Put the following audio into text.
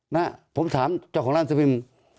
นะผมถามเจ้าของร้านสวิม